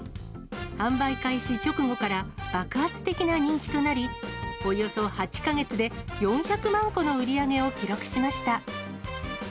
販売開始直後から爆発的な人気となり、およそ８か月で４００万個の売り上げを記録しました。